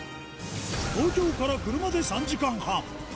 東京から車で３時間半。